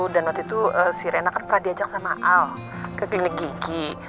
dan waktu itu si rena kan pernah diajak sama al ke klinik gigi